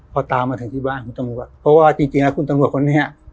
พอตามมาถึงที่บ้านคุณตำรวจเพราะว่าจริงจริงแล้วคุณตำรวจคนนี้